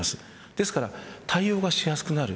ですから対応がしやすくなる。